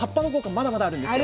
まだまだあるんですよ。